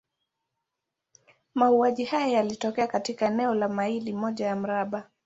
Mauaji haya yalitokea katika eneo la maili moja ya mraba.